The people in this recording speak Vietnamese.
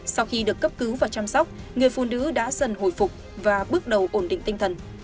sau khi được cấp cứu và chăm sóc người phụ nữ đã dần hồi phục và bước đầu ổn định tinh thần